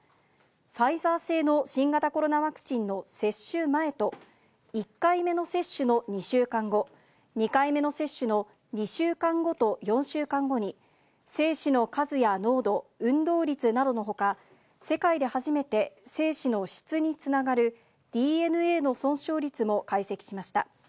ファイザー製の新型コロナワクチンの接種前と、１回目の接種の２週間後、２回目の接種の２週間後と４週間後に、精子の数や濃度、運動率などのほか、世界で初めて精子の質につながるＤＮＡの損傷率も解析しました。